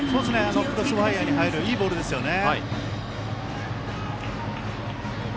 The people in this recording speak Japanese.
クロスファイアーに入るいいボールですね。